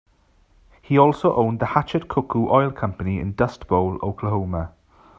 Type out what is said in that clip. He also owned the Hatchet-Cuckoo Oil Company in Dust Bowl, Oklahoma.